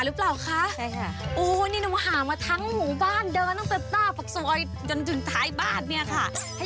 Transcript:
หรือเปล่าคะค่ะปูนินหามาทั้งหมู่บ้านเดิมเตรียมเดียวสวยจนจนท้ายบ้านเนี้ยค่ะถ้า